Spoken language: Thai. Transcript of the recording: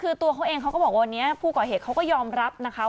คือตัวเขาเองเขาก็บอกวันนี้ผู้ก่อเหตุเขาก็ยอมรับนะคะ